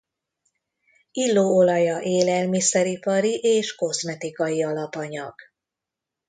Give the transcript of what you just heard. Illóolaja élelmiszeripari és kozmetikai alapanyag.